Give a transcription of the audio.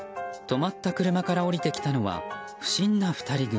止まった車から降りてきたのは不審な２人組。